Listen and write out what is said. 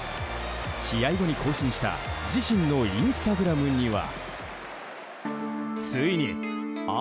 試合後に更新した自身のインスタグラムには。